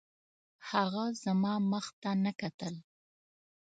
هغه زما مخ ته نه کتل